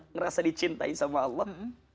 ngerasa dicintai sama allah